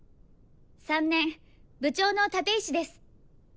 ３年部長の立石です。